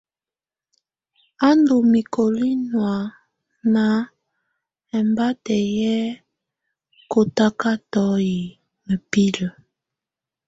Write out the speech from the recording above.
Á ndù mikoli nɔ̀á na ɛmbatɛ yɛ kɔtakatɔ yɛ mǝpilǝ.